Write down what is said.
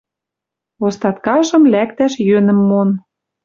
Остаткажым лӓктӓш йӧнӹм мон.